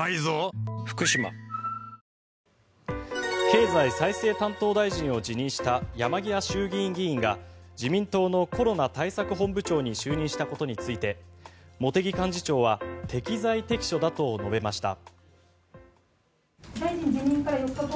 経済再生担当大臣を辞任した山際衆議院議員が自民党のコロナ対策本部長に就任したことについて茂木幹事長は適材適所だと述べました。